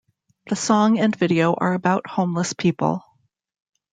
The song and video are about homeless people.